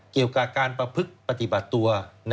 เกี่ยวกับการประพฤกษ์ปฏิบัติตัว